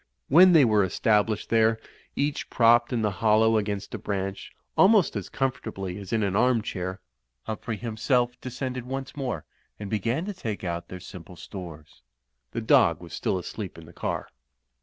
When they were established there, each propped in the hollow against a branch, almost as comfortably as in an arm chair, Humphrey himself descended once more and began to take out their simple stores. The dog was still asleep in the car.